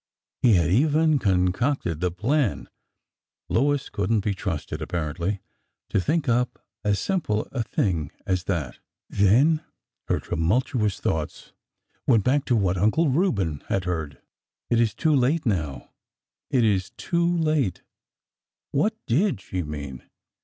''... He had even concocted the plan— Lois could n't be trusted, apparently, to think up as simple a thing as that ! Then her tumultuous thoughts went back to what Uncle Reuben had heard : It is too late now 1 it is too late 1 " What did she mean?